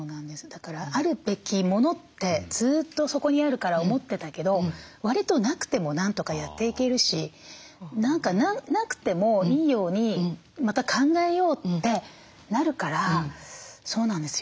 だからあるべき物ってずっとそこにあるから思ってたけどわりとなくてもなんとかやっていけるし何かなくてもいいようにまた考えようってなるからそうなんですよね。